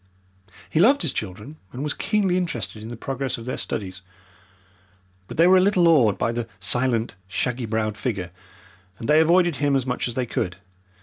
He loved his children, and was keenly interested in the progress of their studies, but they were a little awed by the silent, shaggy browed figure, and they avoided him as much as they could.